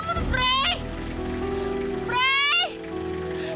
fri fri bangun